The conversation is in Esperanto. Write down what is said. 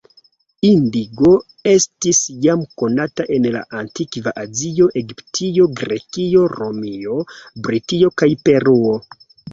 Indigo estis jam konata en la antikva Azio, Egiptio, Grekio, Romio, Britio kaj Peruo.